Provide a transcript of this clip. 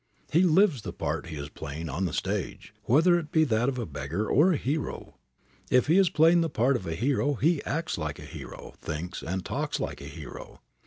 He lives the part he is playing on the stage, whether it be that of a beggar or a hero. If he is playing the part of a hero he acts like a hero, thinks and talks like a hero.